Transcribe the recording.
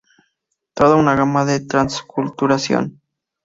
Toda una gama de transculturación.